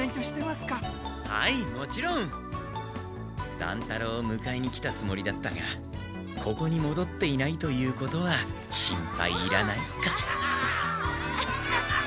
乱太郎をむかえに来たつもりだったがここにもどっていないということは心配いらないか。